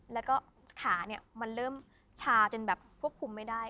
แล้วก็ขาเนี่ยมันเริ่มชาจนแบบควบคุมไม่ได้